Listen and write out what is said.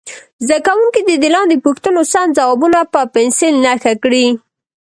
زده کوونکي دې د لاندې پوښتنو سم ځوابونه په پنسل نښه کړي.